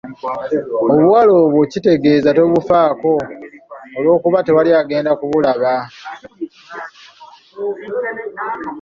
Obuwale obwo tekitegeeza nti tobufaako olw'okuba tewali agenda kuziraba.